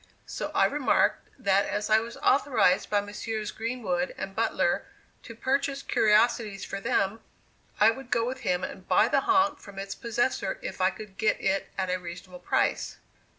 So I remarked that as I was authorized by Messrs. Greenwood and Butler to purchase curiosities for them, I would go with him and buy the honk from its possessor if I could get it at a reasonable price.